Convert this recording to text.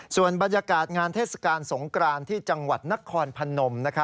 ส่วนบรรยากาศงานเทศกาลสงกรานที่จังหวัดนครพนม